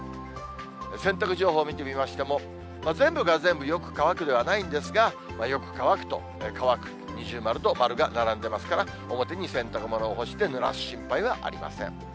洗濯情報、見てみましても、全部が全部よく乾くではないんですが、よく乾くと乾く、二重丸と丸が並んでますから、表に洗濯物を干してぬらす心配はありません。